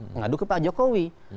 mengadu kepala jokowi